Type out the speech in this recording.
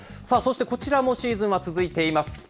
そしてこちらもシーズンは続いています。